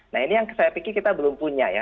nah ini yang saya pikir kita belum punya ya